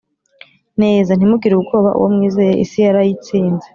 neza… ntimugire ubwoba uwo mwizeye isi yarayitsinze.